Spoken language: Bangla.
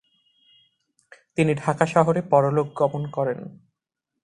তিনি ঢাকা শহরে পরলোকগমন করেন।